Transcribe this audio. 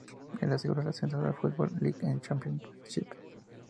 Él aseguró el ascenso a la Football League Championship.